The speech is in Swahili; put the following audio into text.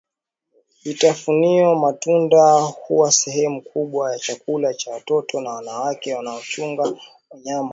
vitafunio matunda huwa sehemu kubwa ya chakula cha watoto na wanawake wanaochunga wanyama na